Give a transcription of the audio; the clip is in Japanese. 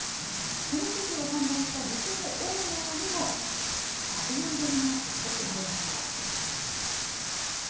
このくじを販売した店のオーナーにも１００万ドルが贈られました。